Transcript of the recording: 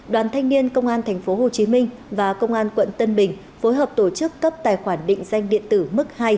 đoàn thanh niên công an tp hcm và công an quận tân bình phối hợp tổ chức cấp tài khoản định danh điện tử mức hai